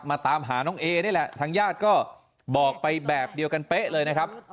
ตามหาน้องเอนี่แหละทางญาติก็บอกไปแบบเดียวกันเป๊ะเลยนะครับ